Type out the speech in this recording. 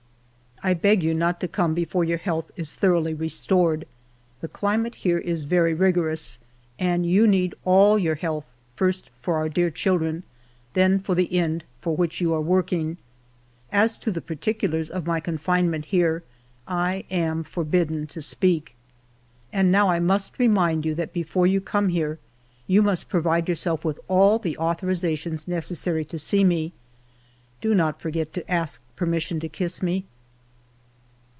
" I beg you not to come before your health is thoroughly restored. The climate here is very rigorous, and you need all your health, first for our dear children, then for the end for which you are working. As to the particulars of my confinement here I am forbidden to speak. "And now I must remind you that before you come here you must provide yourself with all the authorizations necessary to see me ; do not forget to ask permission to kiss me."